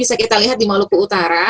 bisa kita lihat di maluku utara